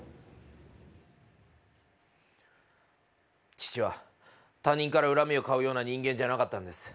父は他人から恨みを買うような人間じゃなかったんです。